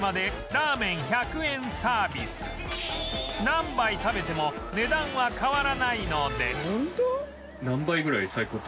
何杯食べても値段は変わらないので